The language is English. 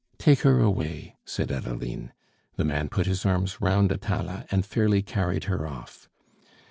"Take her away!" said Adeline. The man put his arms round Atala and fairly carried her off.